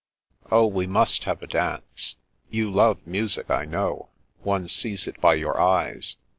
" Oh, we must have a dance. You love music, I know. One sees it by your eyes.